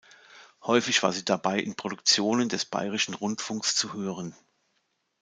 Häufig war sie dabei in Produktionen des Bayerischen Rundfunks zu hören.